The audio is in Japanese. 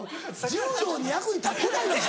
柔道に役に立ってないでしょ。